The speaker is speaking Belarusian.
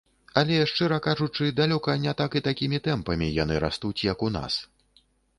Але, шчыра кажучы, далёка не так і такімі тэмпамі яны растуць, як у нас.